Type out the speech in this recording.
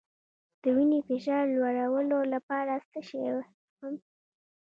د وینې فشار لوړولو لپاره څه شی وڅښم؟